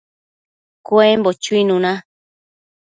cuembo chuinuna